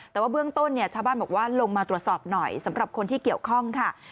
แต่ว่าเบื้องต้นเนี่ยชาวบ้านบอกว่าลงมาตรวจสอบหน่อยสำหรับคนที่เกี่ยวข้องค่ะ